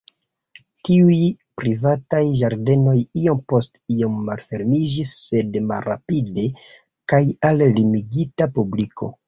Tiuj privataj ĝardenoj iom post iom malfermiĝis sed malrapide kaj al limigita publiko.